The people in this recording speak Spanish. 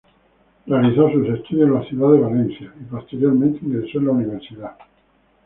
Realizó sus estudios en la ciudad de Valencia y posteriormente ingresó en la Universidad.